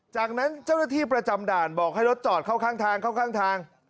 จากนั้นเจ้าหน้าที่ประจำด่านบอกให้รถจอดเข้าข้างทาง